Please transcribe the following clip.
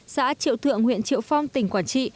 xã triệu thượng huyện triệu phong tỉnh quảng trị